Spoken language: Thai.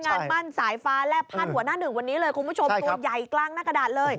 งานมั่นสายฟ้าแลบพาดหัวหน้าหนึ่งวันนี้เลยคุณผู้ชมตัวใหญ่กลางหน้ากระดาษเลย